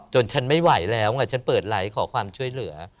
ฉันไม่ไหวแล้วไงฉันเปิดไลค์ขอความช่วยเหลือ